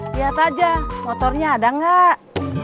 lihat aja motornya ada nggak